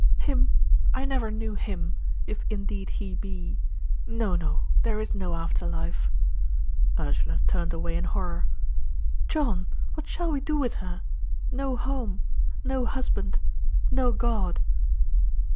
"Him! I never knew Him, if indeed He be. No, no, there is no after life." Ursula turned away in horror. "John, what shall we do with her? No home! no husband! no God!"